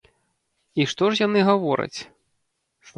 І што ж яны гавораць?